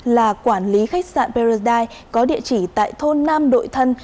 là quản lý khách sạn paradise có địa chỉ tại thôn nam đội thân